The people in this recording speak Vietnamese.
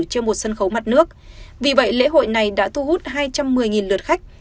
trên một sân khấu mặt nước vì vậy lễ hội này đã thu hút hai trăm một mươi lượt khách